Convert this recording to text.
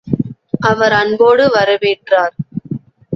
அவர் அன்போடு வரவேற்றார்.